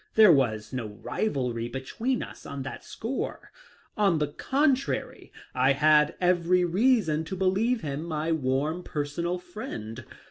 There was no rivalry between us on that score ; on the contrary, I had every reason to believe him my warm, personal friend.